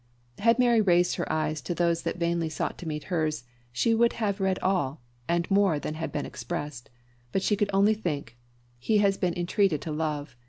Had Mary raised her eyes to those that vainly sought to meet hers, she would there have read all, and more than had been expressed; but she could only think, "He has been entreated to love!"